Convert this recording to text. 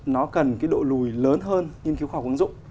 nó cần cái độ lùi lớn hơn nghiên cứu khoa học ứng dụng